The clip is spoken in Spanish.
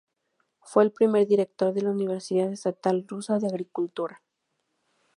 Fue el Primer director de la Universidad Estatal Rusa de Agricultura.